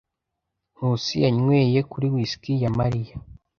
Nkusi yanyweye kuri whisky ya Mariya.